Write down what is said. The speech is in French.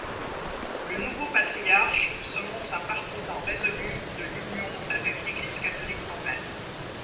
Le nouveau patriarche se montre un partisan résolu de l’union avec l'Église catholique romaine.